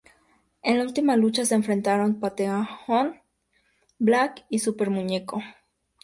En la última lucha se enfrentaron Pentagon Black y Super Muñeco v.s.